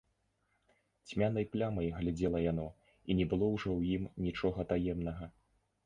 Цьмянай плямай глядзела яно, і не было ўжо ў ім нічога таемнага.